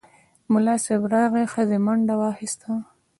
ملا صیب راغی، ښځې منډه واخیسته.